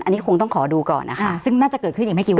อันนี้คงต้องขอดูก่อนนะคะซึ่งน่าจะเกิดขึ้นอีกไม่กี่วัน